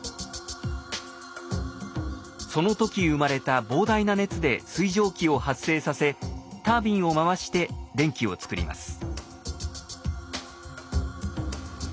その時生まれた膨大な熱で水蒸気を発生させタービンを回して電気を作ります。